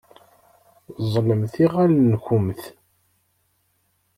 Ẓẓlemt iɣallen-nkumt.